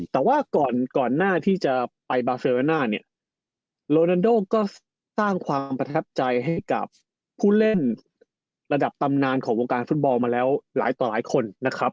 แต่ว่าก่อนก่อนหน้าที่จะไปบาเซโรน่าเนี่ยโรนันโดก็สร้างความประทับใจให้กับผู้เล่นระดับตำนานของวงการฟุตบอลมาแล้วหลายต่อหลายคนนะครับ